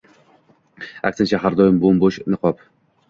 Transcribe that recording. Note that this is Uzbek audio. Aksincha, har doim bo’m-bo’shliq niqob.